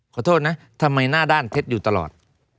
ขอโทษนะทำไมหน้าด้านเพชรอยู่ตลอด